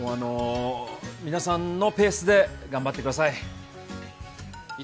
皆さんのペースで頑張ってください。